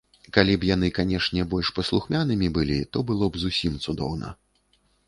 Калі б яны, канешне, больш паслухмянымі былі, то было б зусім цудоўна.